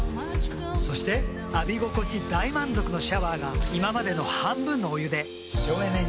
そして浴び心地大満足のシャワーが今までの半分のお湯で省エネに。